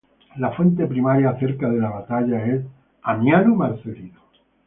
La fuente primaria acerca de la batalla es Amiano Marcelino.